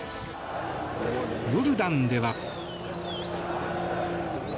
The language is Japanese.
ヨルダンでは。